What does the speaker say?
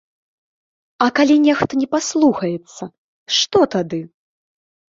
А калі нехта не паслухаецца, што тады?